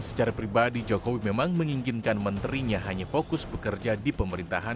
secara pribadi jokowi memang menginginkan menterinya hanya fokus bekerja di pemerintahan